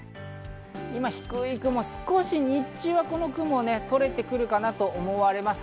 今低い雲、日中はこの雲が少し取れてくるかなと思われます。